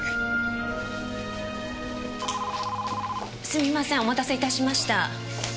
すみませんお待たせいたしました。